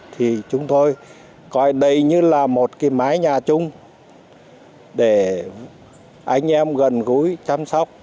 thì chúng tôi coi đây như là một cái mái nhà chung để anh em gần gũi chăm sóc